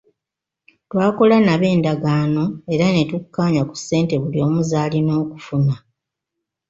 Twakola nabo endagaano era ne tukkaanya ku ssente buli omu z'alina okufuna.